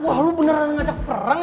wah lu beneran ngajak perang